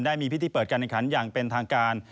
ได้มีพิธีเปิดการแข่งขันอย่างเป็นทางการ